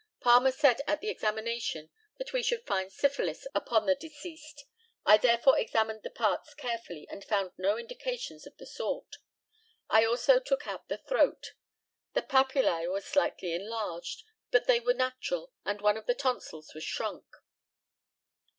Palmer said at the examination that we should find syphilis upon the deceased. I therefore examined the parts carefully, and found no indications of the sort. I also took out the throat. The papillæ were slightly enlarged, but they were natural, and one of the tonsils was shrunk.